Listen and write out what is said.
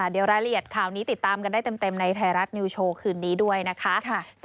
เดี๋ยวรายละเอียดข่าวนี้ติดตามกันได้เต็มในไทยรัฐนิวโชว์คืนนี้ด้วยนะคะ